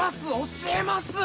教えます！